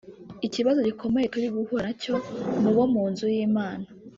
Ikibazo gikomeye turi guhura nacyo mu bo mu nzu y’Imana